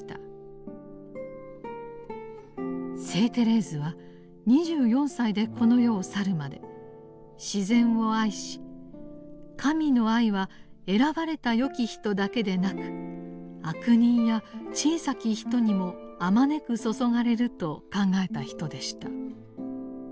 聖テレーズは２４歳でこの世を去るまで自然を愛し神の愛は選ばれた善き人だけでなく悪人や小さき人にもあまねく注がれると考えた人でした。